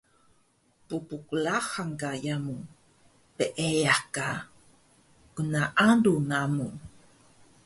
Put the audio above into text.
Ppqlahang ka yamu, peeyah ka gnaalu namu